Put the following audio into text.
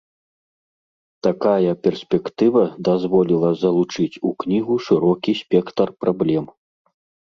Такая перспектыва дазволіла залучыць у кнігу шырокі спектр праблем.